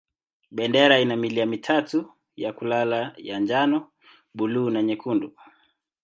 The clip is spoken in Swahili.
Bendera ina milia mitatu ya kulala ya njano, buluu na nyekundu.